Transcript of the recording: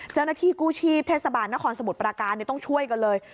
เจ้าหน้าที่กู้ชีพเทศบาลนครสมุทรปราการต้องช่วยกันเลย